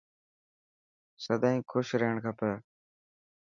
سدائين خوش رهڻ کپي.